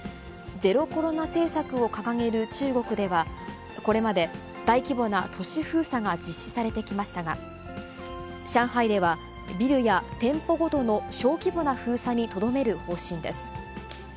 ゼロコロナ政策を掲げる中国では、これまで大規模な都市封鎖が実施されてきましたが、上海では、ビルや店舗ごとの小規模な封鎖にとどめる方針です。